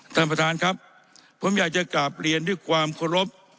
ท่านประธานครับผมอยากจะกลับเรียนด้วยความเคารพ